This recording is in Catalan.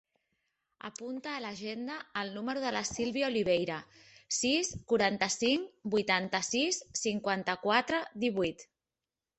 Apunta a l'agenda el número de la Sílvia Oliveira: sis, quaranta-cinc, vuitanta-sis, cinquanta-quatre, divuit.